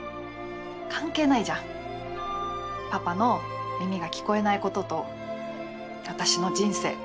関係ないじゃんパパの耳が聞こえないことと私の人生。